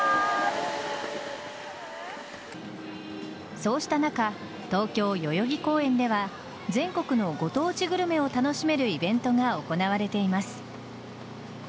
そうした中東京・代々木公園では全国のご当地グルメを楽しめるイベントが行われています。